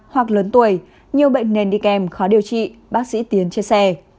hoặc lớn tuổi nhiều bệnh nền đi kèm khó điều trị bác sĩ tiến chia sẻ